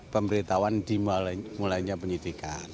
pemberitahuan dimulainya penyitikan